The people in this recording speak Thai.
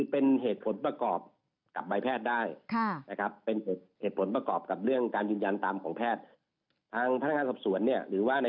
เป็นเผ็ดได้นะครับเป็นเหตุผลประกอบตามของแพทย์ทางพลาดขับส่วนเนี่ยหรือว่า